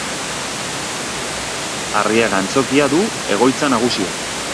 Arriaga Antzokia du egoitza nagusia.